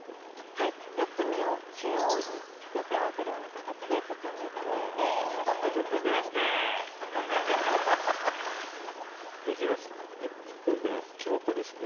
はい四隅を中央に寄せ合わせるような形で包んでいただいてお召し上がりください包んでますねできました包んでます京都ですね